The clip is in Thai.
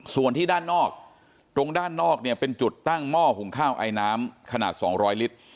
ส่วนที่ด้านนอกตรงด้านนอกเนี่ยเป็นจุดตั้งหม้อหุงข้าวไอน้ำขนาด๒๐๐ลิตร